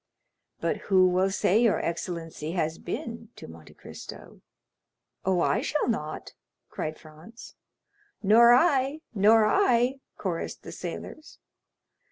"But who will say your excellency has been to Monte Cristo?" "Oh, I shall not," cried Franz. "Nor I, nor I," chorused the sailors.